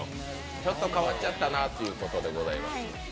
ちょっと変わっちゃったなっていうことでございます。